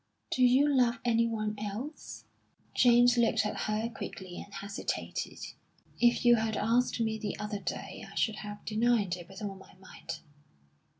Do you love anyone else?" James looked at her quickly and hesitated. "If you had asked me the other day, I should have denied it with all my might.